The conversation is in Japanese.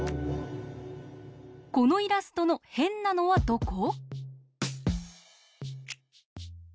このイラストのへんなのはどこ？